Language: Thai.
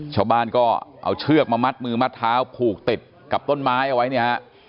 ชาวบ้านก็เอาเชือกมามัดมือมัดเท้าผูกติดกับต้นไม้เอาไว้เนี่ยฮะ